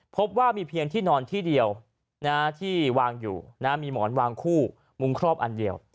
พบว่ามีเพียงที่นอนที่เดียวที่วางอยู่มีหมอนวางคู่มุมครอบอันเดียว